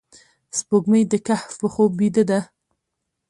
سپوږمۍ د کهف په خوب بیده ده